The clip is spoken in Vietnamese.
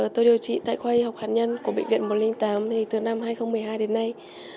tôi điều trị tại khoa y học hạt nhân của bệnh viện một trăm linh tám từ năm hai nghìn một mươi hai đến nay